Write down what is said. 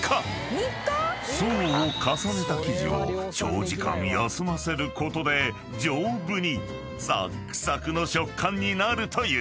［層を重ねた生地を長時間休ませることで丈夫にサックサクの食感になるという］